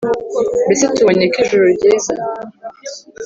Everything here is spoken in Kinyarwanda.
Mbese tubonye ko ijuru ryiza